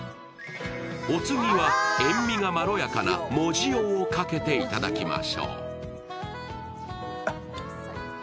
お次は、塩みがまろやかな藻塩をかけていただきましょう。